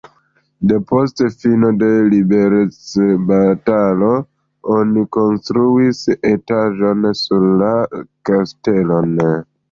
Depost fino de liberecbatalo oni konstruis etaĝon sur la kastelon.